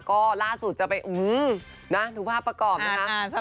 ก็ล่าสุดจะไปดูภาพประกอบนะคะ